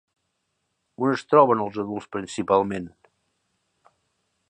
On es troben els adults principalment?